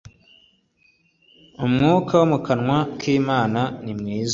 umwuka wo mu kanwa k Imana nimwiza